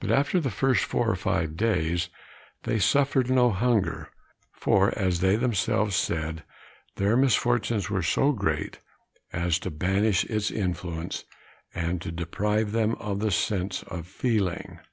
But after the first four or five days, they suffered no hunger, for, as they themselves said, their misfortunes were so great as to banish its influence, and to deprive them of the sense of feeling.